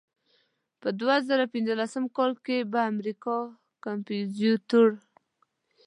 په دوه زره پنځلسم کال کې به امریکایي کمپوزیتور.